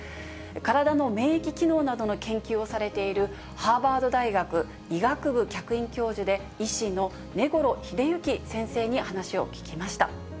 体の免疫機能などの研究をされている、ハーバード大学医学部客員教授で、医師の根来秀行先生に話を聞きました。